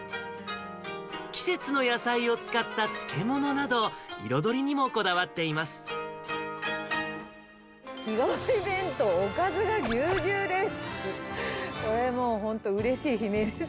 季節の野菜を使った漬け物など、日替わり弁当、おかずがぎゅうぎゅうです。